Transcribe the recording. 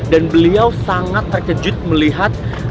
dan beliau sangat terkejut melihat